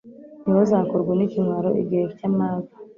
Ntibazakorwa n’ikimwaro igihe cy’amage